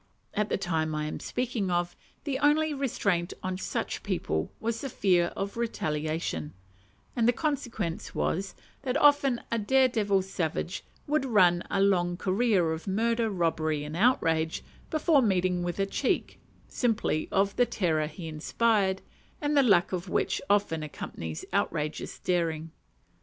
At the time I am speaking of, the only restraint on such people was the fear of retaliation, and the consequence was, that often a dare devil savage would run a long career of murder, robbery, and outrage, before meeting with a check, simply from the terror he inspired, and the "luck" which often accompanies outrageous daring.